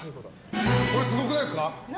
これ、すごくないですか。